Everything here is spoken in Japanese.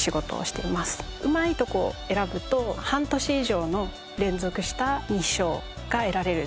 うまいとこを選ぶと半年以上の連続した日照が得られる。